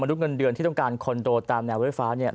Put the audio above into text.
มนุษย์เงินเดือนที่ต้องการคอนโดตามแนวรถไฟฟ้า